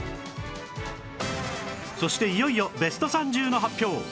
そしていよいよベスト３０の発表